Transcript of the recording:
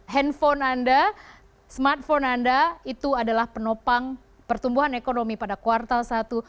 handphone anda smartphone anda itu adalah penopang pertumbuhan ekonomi pada kuartal satu